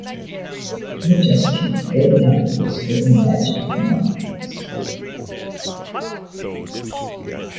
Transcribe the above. I just kept pulling out these little magical moments.